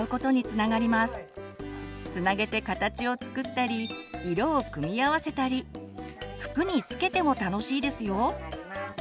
つなげて形を作ったり色を組み合わせたり服に付けても楽しいですよ！